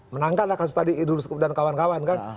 menangkan lah kasus tadi idul sukup dan kawan kawan kan